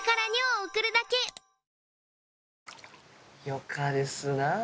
よかですなぁ。